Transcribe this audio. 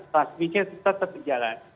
vaksinanya tetap jalan